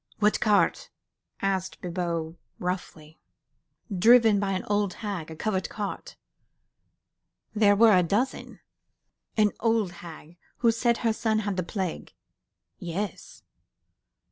"What cart?" asked Bibot, roughly. "Driven by an old hag. ... A covered cart ..." "There were a dozen ..." "An old hag who said her son had the plague?" "Yes